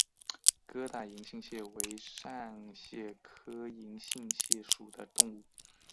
疙瘩银杏蟹为扇蟹科银杏蟹属的动物。